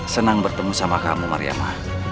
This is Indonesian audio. senang bertemu sama kamu mariama